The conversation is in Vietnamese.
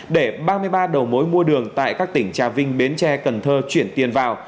để ba mươi ba đầu mối mua đường tại các tỉnh trà vinh bến tre cần thơ chuyển tiền vào